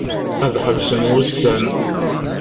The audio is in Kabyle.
Ad ḥebsen wussan.